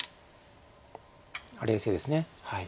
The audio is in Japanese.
冷静です。